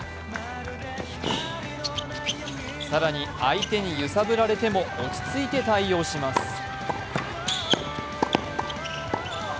更に相手に揺さぶられても落ち着いて対応します。